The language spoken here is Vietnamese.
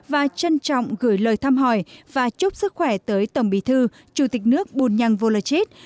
và trân trọng gửi lời thăm hỏi và chúc sức khỏe tới tổng bí thư chủ tịch nước bùn nhăn vô lợi chết